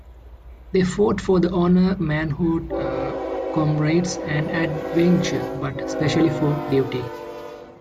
They fought for honor, manhood, comrades, and adventure, but especially for duty.